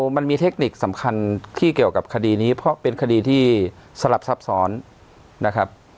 มันมีเทคนิคสำคัญที่เกี่ยวกับคดีนี้เพราะเป็นคดีที่สลับซับซ้อนนะครับ